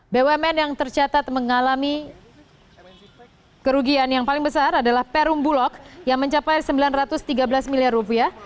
bumn yang tercatat mengalami kerugian yang paling besar adalah perum bulog yang mencapai sembilan ratus tiga belas miliar rupiah